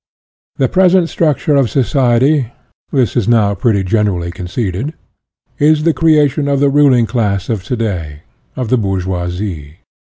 The present structure of society this is now pretty generally conceded is the cre ation of the ruling class of to day, of the bourgeoisie.